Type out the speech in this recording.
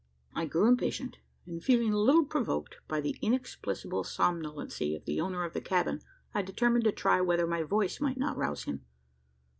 I grew impatient; and, feeling a little provoked by the inexplicable somnolency of the owner of the cabin, I determined to try whether my voice might not rouse him.